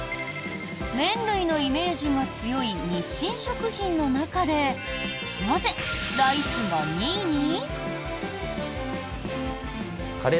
麺類のイメージが強い日清食品の中でなぜ、ライスが２位に？